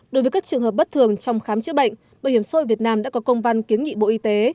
đối với các trường hợp bất thường trong khám chữa bệnh bảo hiểm xã hội việt nam đã có công văn kiến nghị bộ y tế